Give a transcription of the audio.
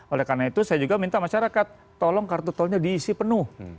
oleh karena itu saya juga minta masyarakat tolong kartu tolnya diisi penuh